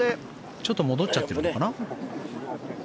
ちょっと戻っちゃってるのかな。